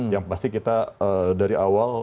yang pasti kita dari awal